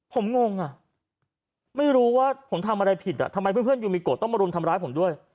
ผมงงอ่ะไม่รู้ว่าผมทำอะไรผิดอ่ะทำไมเพื่อนยูมิโกะต้องมารุมทำร้ายผมด้วย